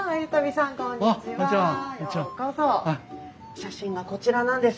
写真がこちらなんです。